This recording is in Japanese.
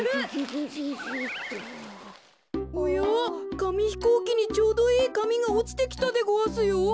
かみひこうきにちょうどいいかみがおちてきたでごわすよ。